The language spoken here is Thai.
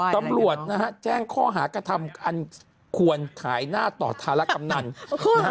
ตำรวจแจ้งข้อหากระทำอันควรขายหน้าต่อธารกำหนัง